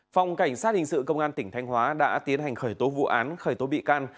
phòng cảnh sát hình sự công an tỉnh thanh hóa đã tiến hành khởi tố vụ án khởi tố bị can